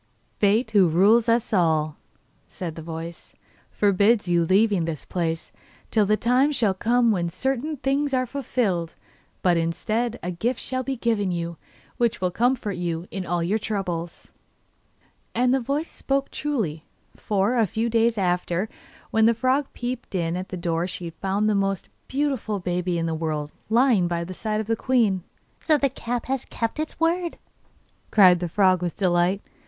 'Fate, who rules us all,' said the voice, 'forbids your leaving this place till the time shall come when certain things are fulfilled. But, instead, a gift shall be given you, which will comfort you in all your troubles.' And the voice spoke truly, for, a few days after, when the frog peeped in at the door she found the most beautiful baby in the world lying by the side of the queen. 'So the cap has kept its word,' cried the frog with delight.